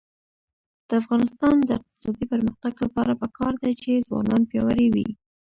د افغانستان د اقتصادي پرمختګ لپاره پکار ده چې ځوانان پیاوړي وي.